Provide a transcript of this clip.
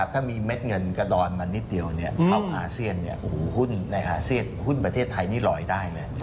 ถ้ามีเม็ดเงินกระดอนมานิดเดียวเข้าอาเซียนหุ้นในอาเซียนหุ้นประเทศไทยนี่ลอยได้เลย